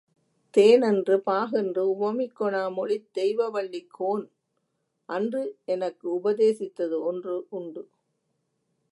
தேன் என்று பாகுஎன்று உவமிக் கொனாமொழித் தெய்வவள்ளி கோன், அன்று எனக்குஉப தேசித்தது ஒன்றுஉண்டு.